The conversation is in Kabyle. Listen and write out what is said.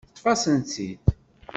Teṭṭef-asent-tt-id.